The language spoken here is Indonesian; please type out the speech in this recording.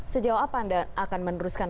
sejauh apa anda akan meneruskan